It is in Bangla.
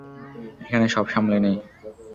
এখানে সব সামলে নেই।